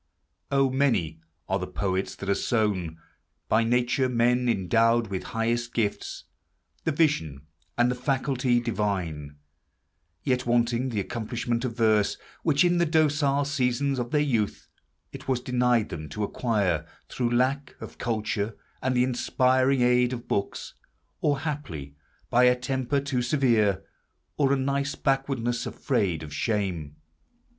O, many are the poets that are sown By nature; men endowed with highest gifts, The vision and the faculty divine; Yet wanting the accomplishment of ver (Which, in the docile season of their youth, It was denied them to acquire, through lack Of culture and the inspiring aid of books, Or haply by a temper too severe, Or a nice backwardness afraid of shame), 340 POEMS OF SENTIMENT.